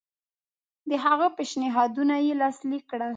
د هغه پېشنهادونه یې لاسلیک کړل.